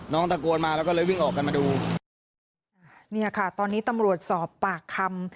ตะโกนมาแล้วก็เลยวิ่งออกกันมาดูเนี่ยค่ะตอนนี้ตำรวจสอบปากคำ